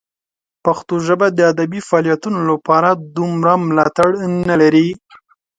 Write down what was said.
پښتو ژبه د ادبي فعالیتونو لپاره دومره ملاتړ نه لري.